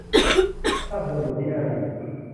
สร้างชุมชนที่น่าอยู่